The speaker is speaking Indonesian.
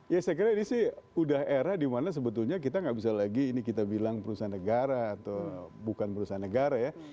ya saya kira ini sih udah era dimana sebetulnya kita nggak bisa lagi ini kita bilang perusahaan negara atau bukan perusahaan negara ya